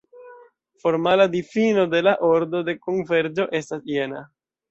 Formala difino de la ordo de konverĝo estas jena.